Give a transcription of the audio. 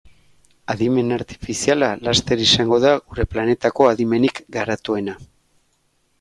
Adimen artifiziala laster izango da gure planetako adimenik garatuena.